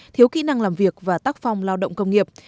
thiếu kỹ năng làm việc và tác phong lao động công nghiệp